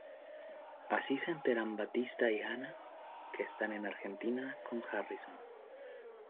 Así se enteran Batista y Hannah, que está en Argentina con Harrison.